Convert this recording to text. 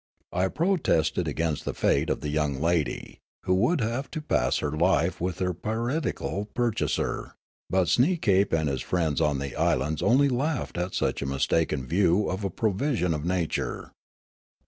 I protested against the fate of the young lady, who would have to pass her life with her piratical purchaser; but Snee kape and his friends on the islands only laughed at such a mistaken view of a provision of nature.